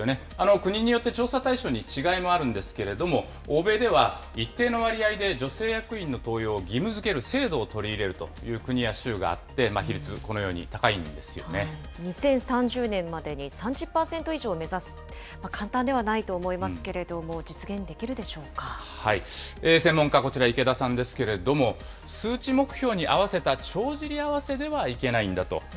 国によって調査対象に違いもあるんですけれども、欧米では一定の割合で女性役員の登用を義務づける制度を取り入れるという国や州があって、比率、このように高い２０３０年までに３０％以上を目指す、簡単ではないと思いますけれども、実現できるでしょう専門家、こちら、池田さんですけれども、数値目標に合わせた帳尻合わせではいけないんだと。